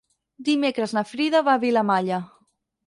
Dimecres na Frida va a Vilamalla.